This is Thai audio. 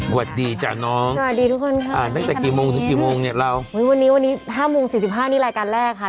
สวัสดีจ้ะน้องอ่านตั้งแต่กี่โมงเนี่ยเราวันนี้๕โมง๔๕นี่รายการแรกค่ะ